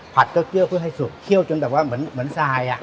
ผัดเจ้าเชี่ยวเพื่อให้สุกเชี่ยวจนแบบว่าเหมือนเหมือนทรายอ่ะ